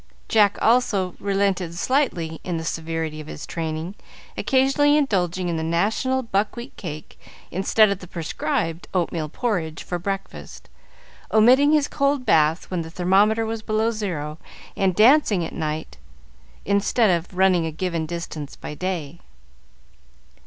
Jack, also, relented slightly in the severity of his training, occasionally indulging in the national buckwheat cake, instead of the prescribed oatmeal porridge, for breakfast, omitting his cold bath when the thermometer was below zero, and dancing at night, instead of running a given distance by day.